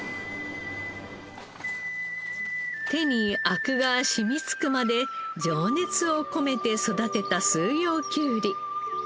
手にアクが染みつくまで情熱を込めて育てた四葉きゅうり。